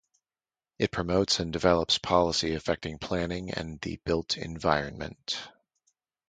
It promotes and develops policy affecting planning and the built environment.